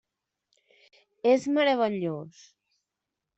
És meravellós.